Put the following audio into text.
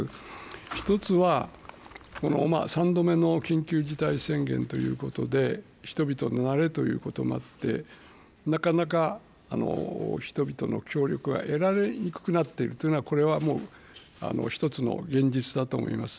１つは、３度目の緊急事態宣言ということで、人々の慣れということもあって、なかなか、人々の協力が得られにくくなっているというのは、これはもう一つの現実だと思います。